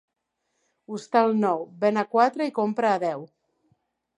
Hostal nou, ven a quatre i compra a deu.